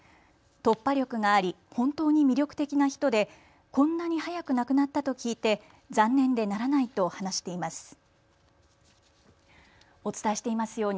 突破力があり本当に魅力的な人でこんなに早く亡くなったと聞いて残念でならないと話しています。